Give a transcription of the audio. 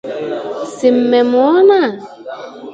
Si mmemuona